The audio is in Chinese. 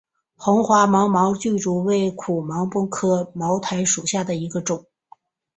红花芒毛苣苔为苦苣苔科芒毛苣苔属下的一个种。